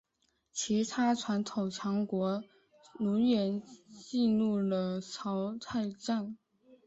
其他传统强国如愿进入了淘汰赛。